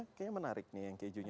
kayaknya menarik nih yang kejunya